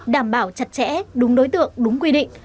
đảm bảo chặt chẽ đúng đối tượng đúng quy định